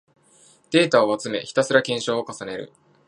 データを集め、ひたすら検証を重ねる